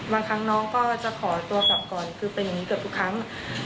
บางครั้งน้องก็จะขอตัวกลับก่อนคือเป็นอย่างนี้เกือบทุกครั้ง